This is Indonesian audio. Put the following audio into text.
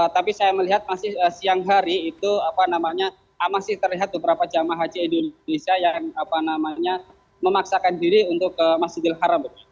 tapi saya melihat masih siang hari itu masih terlihat beberapa jemaah haji indonesia yang memaksakan diri untuk ke masjidil haram